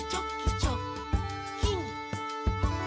チョッキン！」